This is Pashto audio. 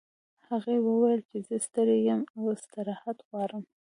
هغې وویل چې زه ستړې یم او استراحت غواړم